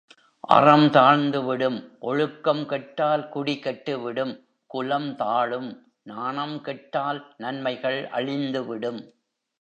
அறம் தாழ்ந்துவிடும் ஒழுக்கம் கெட்டால் குடி கெட்டுவிடும் குலம் தாழும் நாணம் கெட்டால் நன்மைகள் அழிந்து விடும்.